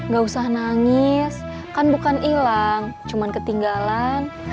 gak usah nangis kan bukan hilang cuman ketinggalan